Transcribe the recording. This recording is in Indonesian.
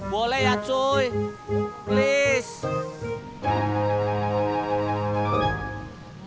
boleh ya cuy tolong